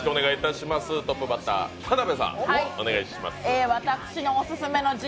トップバッター、田辺さん、お願いします。